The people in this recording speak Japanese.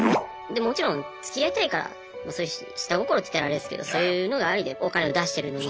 もちろんつきあいたいからそういう下心って言ったらあれですけどそういうのがありでお金を出してるのに。